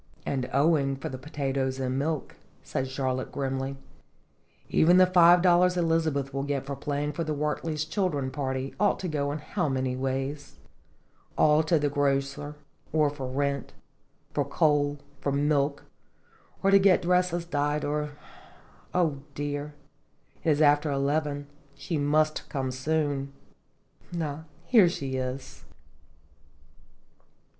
"And owing for the potatoes and milk," said Charlotte, grimly; "even the five dollars Elizabeth will get for playing for the Wert ley's children's party ought to go in how Jttotljs. 37 many ways! all to the grocer, or for rent, for coal, for milk, or to get dresses dyed, or O dear! it is after eleven j she must come soon. Ah! here she is."